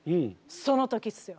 その時っすよ。